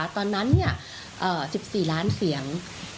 ตอนนั้น๑๔ล้านเสียง